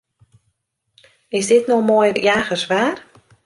Is dit no moai jagerswaar?